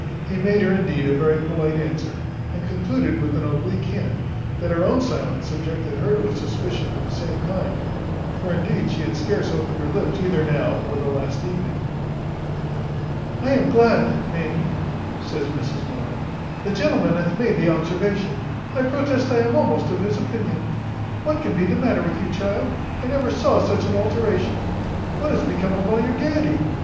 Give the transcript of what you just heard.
He made her indeed a very polite answer, and concluded with an oblique hint, that her own silence subjected her to a suspicion of the same kind: for indeed she had scarce opened her lips either now or the last evening. "I am glad, Nanny," says Mrs Miller, "the gentleman hath made the observation; I protest I am almost of his opinion. What can be the matter with you, child? I never saw such an alteration. What is become of all your gaiety?